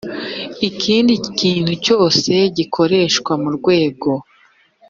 ikindi kintu cyose gikoreshwa mu rwego